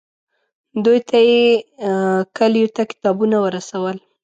دوی ته یې کلیو ته کتابونه ورسول.